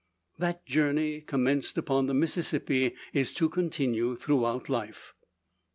That journey commenced upon the Mississippi is to continue throughout life.